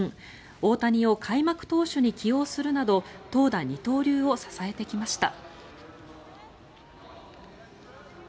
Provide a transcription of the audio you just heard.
大谷を開幕投手に起用するなど投打二刀流を支えてきました。